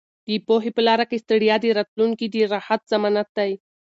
د پوهې په لاره کې ستړیا د راتلونکي د راحت ضمانت دی.